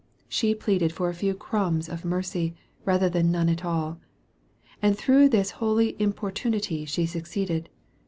She pleaded for a few "crumbs" of mercy, rather than none at all. And through this holy importunity she succeeded.